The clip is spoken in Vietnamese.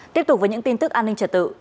tiếp tục với những tin tức an ninh trật tự